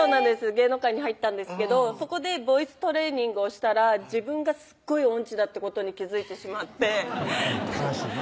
芸能界に入ったんですけどそこでボイストレーニングをしたら自分がすっごい音痴だってことに気付いてしまって悲しいね